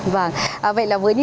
vâng vậy là với như